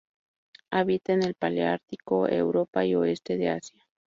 Habita en el paleártico: Europa y oeste de Asia.